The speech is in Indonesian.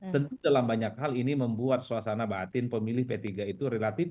tentu dalam banyak hal ini membuat suasana batin pemilih p tiga itu relatif